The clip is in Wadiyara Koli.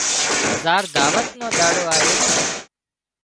زار دعوت نو ۮاڙو آيو